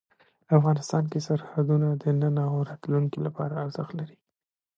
افغانستان کې سرحدونه د نن او راتلونکي لپاره ارزښت لري.